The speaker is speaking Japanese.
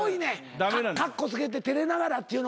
カッコつけて照れながらっていうのが。